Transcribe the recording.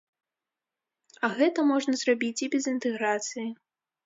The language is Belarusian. А гэта можна зрабіць і без інтэграцыі.